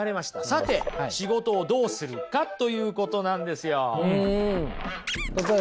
さて仕事をどうするかということなんですよ。